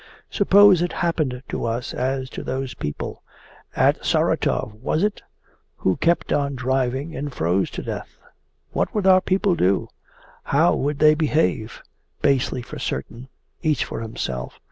Suppose it happened to us as to those people at Saratov was it? who kept on driving and froze to death.... What would our people do? How would they behave? Basely, for certain. Each for himself.